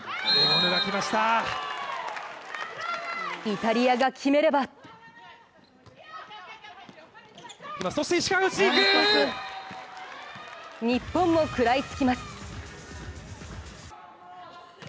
イタリアが決めれば日本も食らいつきます。